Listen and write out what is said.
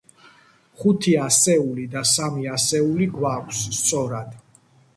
ხუთი ასეული და სამი ასეული გვაქვს, სწორად.